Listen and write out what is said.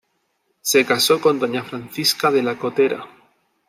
Se casó con doña Francisca de la Cotera.